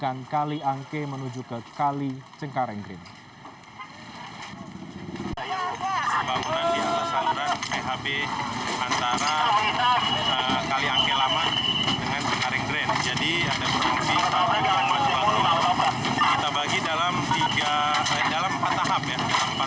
bangunan liar tersebut berdiri di atas saluran air antara kali angke ke kali cengkaring green